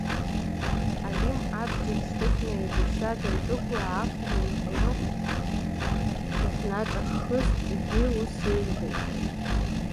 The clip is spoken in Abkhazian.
Алим абџьар шьҭыхны еибашьра дандәықәла, Ахра иҟны дахьнаҿаххыз, егьи ус иҳәеит…